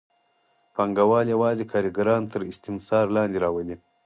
پانګوال یوازې کارګران تر استثمار لاندې راولي.